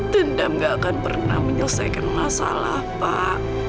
dendam gak akan pernah menyelesaikan masalah pak